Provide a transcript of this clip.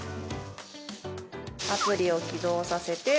アプリを起動させて。